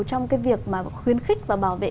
trong cái việc mà khuyến khích và bảo vệ